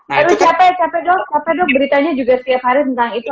aduh capek capek dok capek dok beritanya juga setiap hari tentang itu